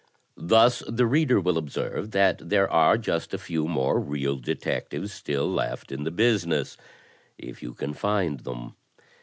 Thus, the reader will observe that there are just a few more real detectives still left in the business — if you can find them.